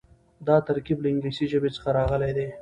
دا ترکيب له انګليسي ژبې څخه راغلی دی.